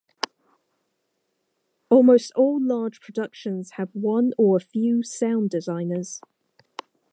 Almost all large productions have one or a few sound designers.